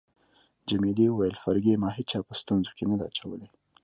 جميلې وويل: فرګي، ما هیچا په ستونزو کي نه ده اچولی.